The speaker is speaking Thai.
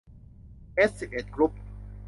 เอสสิบเอ็ดกรุ๊ป